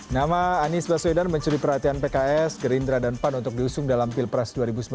nama anies baswedan mencuri perhatian pks gerindra dan pan untuk diusung dalam pilpres dua ribu sembilan belas